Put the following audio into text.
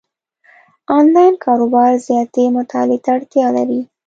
انلاین کاروبار زیاتې مطالعې ته اړتیا لري،